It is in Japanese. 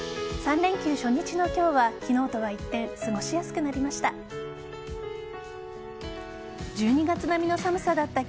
３連休初日の今日は昨日とは一転過ごしやすくなりました。